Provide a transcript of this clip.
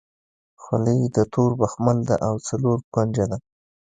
خولۍ د تور بخمل ده او څلور کونجه ده.